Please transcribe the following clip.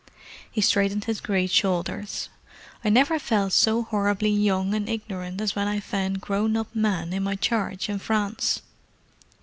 He straightened his great shoulders. "I never felt so horribly young and ignorant as when I found grown up men in my charge in France."